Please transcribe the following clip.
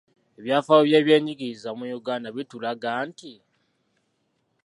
Ebyafaayo by’ebyenjigiriza mu Uganda bitulaga nti,